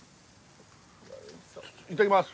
いただきます。